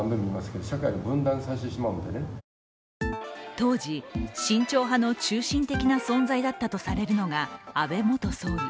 当時、慎重派の中心的な存在だったとされるのが安倍元総理。